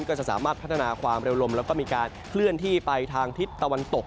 ก็จะสามารถพัฒนาความเร็วลมแล้วก็มีการเคลื่อนที่ไปทางทิศตะวันตก